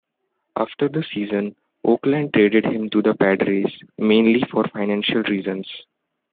After the season, Oakland traded him to the Padres, mainly for financial reasons.